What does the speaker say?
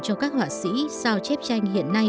cho các họa sĩ sao chép tranh hiện nay